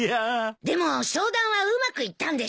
でも商談はうまくいったんでしょ？